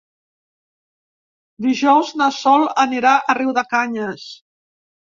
Dijous na Sol anirà a Riudecanyes.